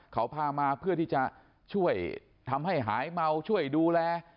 เขาพามาเพื่อที่จะช่วยทำให้หายเมาช่วยดูแล